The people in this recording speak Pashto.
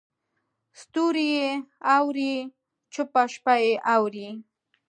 ستوري یې اوري چوپه شپه یې اوري